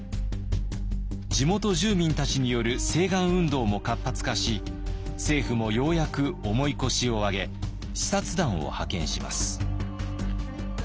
地元住民たちによる請願運動も活発化し政府もようやく重い腰を上げ視察団を派遣します。